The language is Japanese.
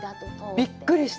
びっくりした。